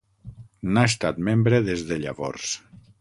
N'ha estat membre des de llavors.